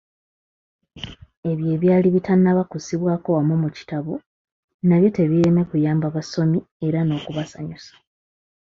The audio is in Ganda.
Ebyo ebyali bitannaba kussibwako wamu mu kitabo, nabyo tebiireme kuyamba basomi era n'okubasanyusa.